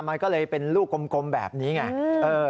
มันก็เลยเป็นลูกกลมแบบนี้ไง